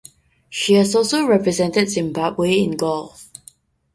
She has also represented Zimbabwe in golf.